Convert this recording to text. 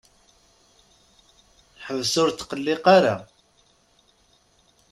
Ḥbes ur tqelliq ara.